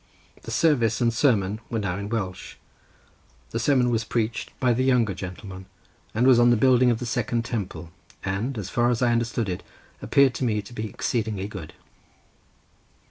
The service and sermon were now in Welsh, the sermon was preached by the younger gentleman, and was on the building of the second temple, and, as far as I understood it, appeared to me to be exceedingly good.